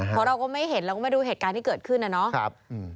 เพราะเราก็ไม่เห็นแล้วก็ไม่รู้เหตุการณ์ที่เกิดขึ้นนะเนาะ